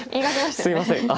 すいません。